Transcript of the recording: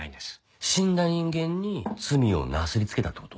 死んだ人間に罪をなすりつけたって事？